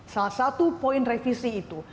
salah satu poin revisi itu